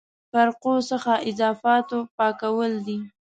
فرقو څخه اضافاتو پاکول دي.